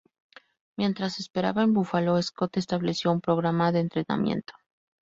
Mientras esperaba en Buffalo, Scott estableció un programa de entrenamiento.